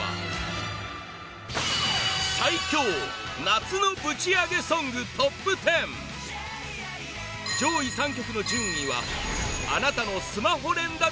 夏のぶちアゲソングトップ１０上位３曲の順位は、あなたのスマホ連打